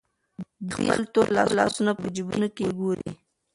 دی خپل تور لاسونه په جېبونو کې ګوري.